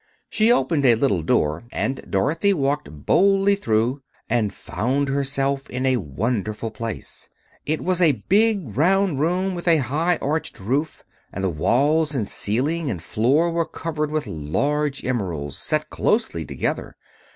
She opened a little door and Dorothy walked boldly through and found herself in a wonderful place. It was a big, round room with a high arched roof, and the walls and ceiling and floor were covered with large emeralds set closely together.